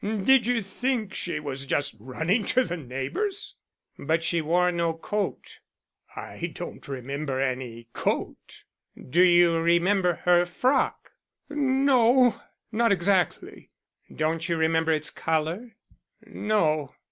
Did you think she was just running to the neighbors?" "But she wore no coat?" "I don't remember any coat." "Do you remember her frock?" "No, not exactly." "Don't you remember its color?" "No."